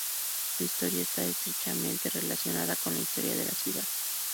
Su historia está estrechamente relacionado con la historia de la ciudad.